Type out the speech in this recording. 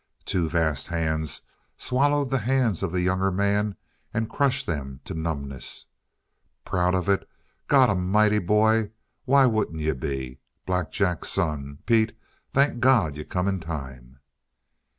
Two vast hands swallowed the hands of the younger man and crushed them to numbness. "Proud of it? God a'mighty, boy, why wouldn't you be? Black Jack's son! Pete, thank God you come in time!"